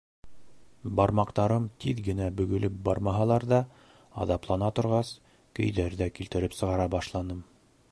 Бармаҡтарым тиҙ генә бөгөлөп бармаһалар ҙа, аҙаплана торғас, көйҙәр ҙә килтереп сығара башланым.